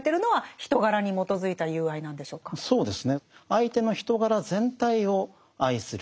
相手の人柄全体を愛する。